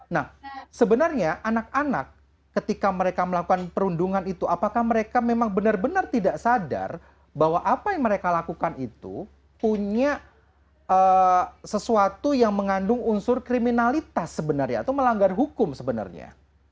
nah sebenarnya anak anak ketika mereka melakukan perundungan itu apakah mereka memang benar benar tidak sadar bahwa apa yang mereka lakukan itu punya sesuatu yang mengandung unsur kriminalitas sebenarnya atau melanggar hukum sebenarnya